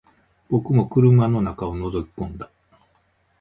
僕も車の中を覗き込んだ